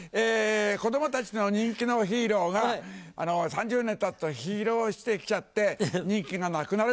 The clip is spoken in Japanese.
子供たちの人気のヒーローが３０年たったらヒロウしてきちゃって人気がなくなる。